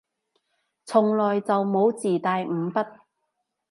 從來就冇自帶五筆